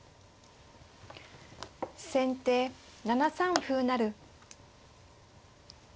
先手７三歩成。